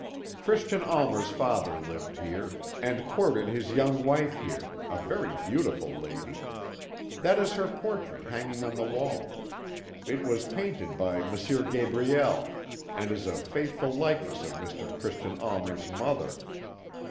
"Christian Almer's father lived here, and courted his young wife here; a very beautiful lady. That is her portrait hanging on the wall. It was painted by M. Gabriel, and is a faithful likeness of Mr. Christian Almer's mother.